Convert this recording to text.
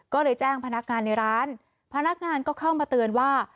ก็เลยแจ้งพนักงานในร้านพนักงานก็เข้ามาเตือนว่า